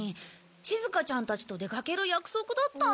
しずかちゃんたちと出かける約束だったんだ。